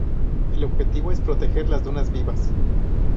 El objetivo es proteger las dunas vivas.